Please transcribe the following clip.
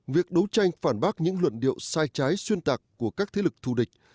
việc đấu tranh phản bác những luận điệu sai trái xuyên tạc của các thế lực thù địch